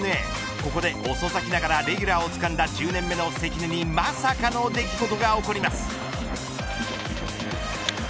ここで、遅咲きながらレギュラーをつかんだ１０年目の関根にまさかの出来事が起こります。